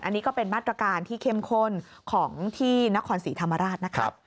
อันนี้ก็เป็นมาตรการที่เข้มข้นของที่นครศรีธรรมราชนะครับ